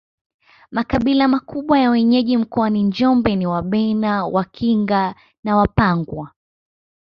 Makabila makubwa ya wenyeji mkoani Njombe ni Wabena Wakinga na Wapangwa